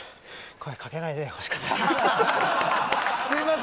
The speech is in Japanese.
声掛けないでほしかったです。